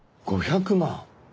５００万？